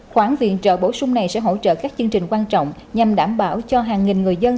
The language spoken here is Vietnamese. khoản viện trợ bổ sung này sẽ hỗ trợ các chương trình quan trọng nhằm đảm bảo cho hàng nghìn người dân